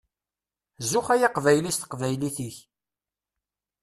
Zuxx ay Aqbayli s teqbaylit-ik!